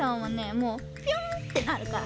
もうピョンってなるから。